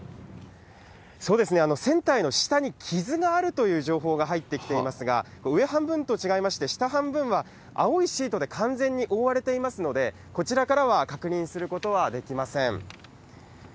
船体の下に傷があるという情報が入ってきていますが、上半分と違いまして、下半分が青いシートで完全に覆われていますので、こちらからは確認することはできません。